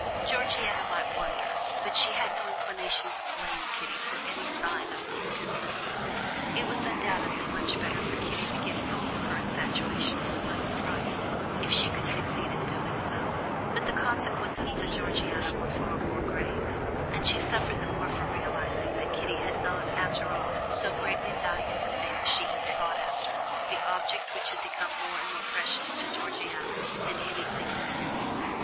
Georgiana might wonder, but she had no inclination to blame Kitty for any sign of inconsistency. It was undoubtedly much better for Kitty to get over her infatuation for William Price, if she could succeed in doing so; but the consequences to Georgiana were far more grave, and she suffered the more for realizing that Kitty had not, after all, so greatly valued the thing she had sought after, the object which had become more and more precious to Georgiana than anything in the world.